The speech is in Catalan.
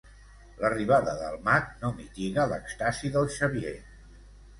L'arribada del mag no mitiga l'èxtasi del Xavier.